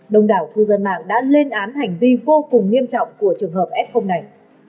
đông đảo cư dân mạng đã lên án hành vi vô cùng nghiêm trọng của trường hợp f này